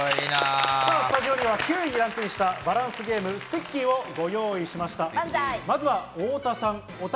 スタジオには９位にランクインしたバランスゲーム、スティッキーをご用意しました。